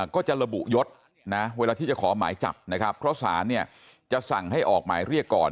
ก็จะระบุยศนะเวลาที่จะขอหมายจับนะครับเพราะศาลเนี่ยจะสั่งให้ออกหมายเรียกก่อน